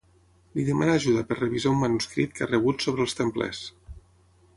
Li demana ajuda per revisar un manuscrit que ha rebut sobre els templers.